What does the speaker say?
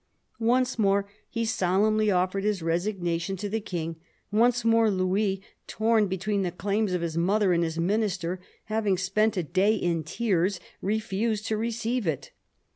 Once more he solemnly offered his resignation to the King; once more Louis, torn between the claims of his mother and his Minister, having spent a day in tears, refused to receive it.